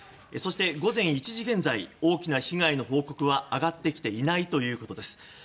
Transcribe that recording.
そして、午前１時現在大きな被害の報告は上がっていていないということです。